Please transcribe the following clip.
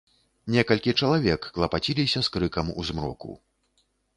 Некалькі чалавек клапаціліся з крыкам у змроку.